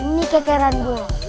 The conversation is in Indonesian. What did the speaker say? ini kekeran gue